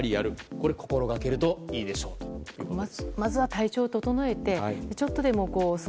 これを心がけるといいでしょうということです。